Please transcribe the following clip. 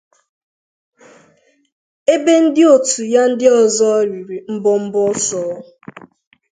ebe ndị òtù ya ndị ọzọ riri mbọmbọ ọsọ